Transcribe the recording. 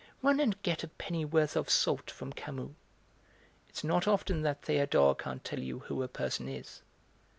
Run and get a pennyworth of salt from Camus. It's not often that Théodore can't tell you who a person is."